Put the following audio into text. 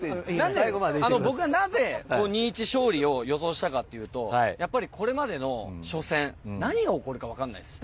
なぜ２−１の勝利を予想したかというとやっぱりこれまでの初戦何が起こるか分からないです。